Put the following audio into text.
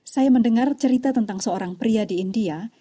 saya mendengar cerita tentang seorang pria di india